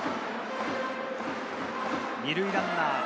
２塁ランナー。